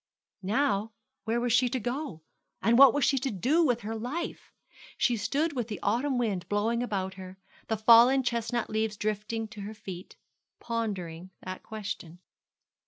Now, where was she to go? and what was she to do with her life? She stood with the autumn wind blowing about her the fallen chestnut leaves drifting to her feet pondering that question.